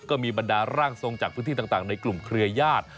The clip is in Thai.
บรรดาร่างทรงจากพื้นที่ต่างในกลุ่มเครือญาติ